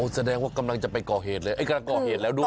แสดงว่ากำลังจะไปก่อเหตุเลยกำลังก่อเหตุแล้วด้วย